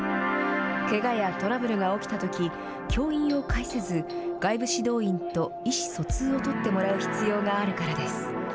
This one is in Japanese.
けがやトラブルが起きたとき、教員を介せず、外部指導員と意思疎通を取ってもらう必要があるからです。